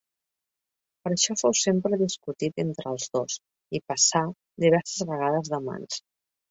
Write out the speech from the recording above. Per això fou sempre discutit entre els dos, i passà diverses vegades de mans.